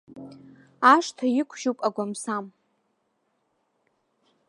Ашҭа иқәжьуп агәамсам.